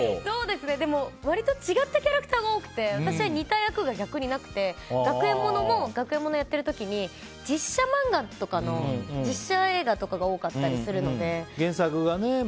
割と違ったキャラクターが多くて私は似た役が逆になくて学園ものやってる時に漫画とかの実写映画とかが多かったりするので。